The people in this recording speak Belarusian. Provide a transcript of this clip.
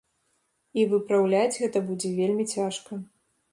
І выпраўляць гэта будзе вельмі цяжка.